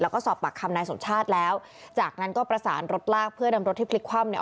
แล้วก็สอบปากคำนายสมชาติแล้วจากนั้นก็ประสานรถลากเพื่อนำรถที่พลิกคว่ำเนี่ย